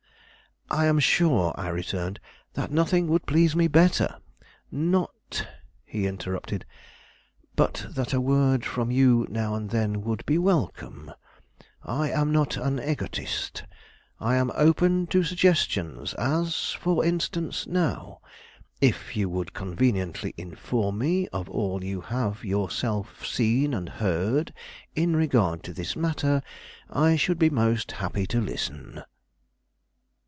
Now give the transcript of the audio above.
"I am sure," I returned, "that nothing would please me better " "Not," he interrupted, "but that a word from you now and then would be welcome. I am not an egotist. I am open to suggestions: as, for instance, now, if you could conveniently inform me of all you have yourself seen and heard in regard to this matter, I should be most happy to listen."